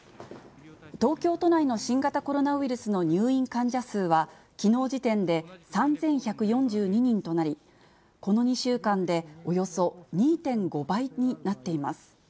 東京都内の新型コロナウイルスの入院患者数は、きのう時点で３１４２人となり、この２週間でおよそ２．５倍になっています。